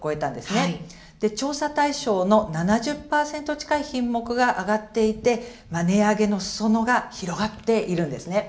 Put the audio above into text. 調査対象の７０％近い品目が上がっていて、値上げのすそ野が広がっているんですね。